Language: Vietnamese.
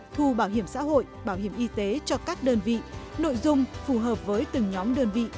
thu bảo hiểm xã hội bảo hiểm y tế cho các đơn vị nội dung phù hợp với từng nhóm đơn vị